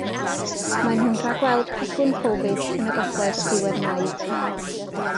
Mae'n nhw'n rhagweld pegwn Covid yn y gogledd ddiwedd Mai.